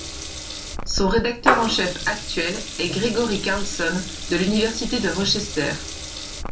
Son rédacteur en chef actuel est Gregory Carlson de l'Université de Rochester.